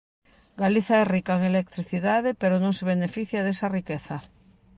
Galiza é rica en electricidade pero non se beneficia desa riqueza.